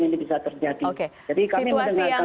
ini bisa terjadi jadi kami mendengarkan